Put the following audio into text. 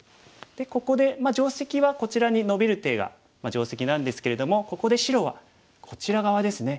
でここで定石はこちらにノビる手が定石なんですけれどもここで白はこちら側ですね。